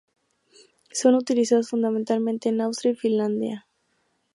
Son utilizadas fundamentalmente en Austria y Finlandia.